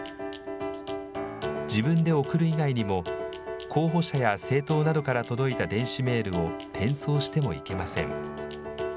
自分で送る以外にも、候補者や政党などから届いた電子メールを転送してもいけません。